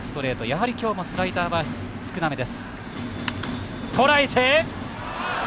やはり、今日もスライダーは少なめです。